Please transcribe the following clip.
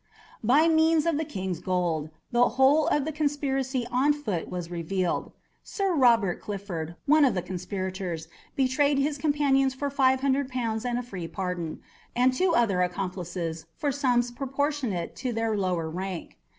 By means of the King's gold, the whole of the conspiracy on foot was revealed: Sir Robert Clifford, one of the conspirators, betrayed his companions for five hundred pounds and a free pardon, and two other accomplices for sums proportionate to their lower rank.